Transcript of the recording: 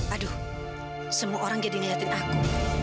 aduh semua orang jadi ngeliatin aku